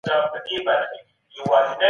آیا موږ له تېرو پېښو پند اخیستی دی؟